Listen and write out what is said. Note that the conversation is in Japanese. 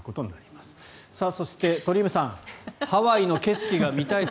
そして、鳥海さんハワイの景色が見たい。